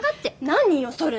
何よそれ。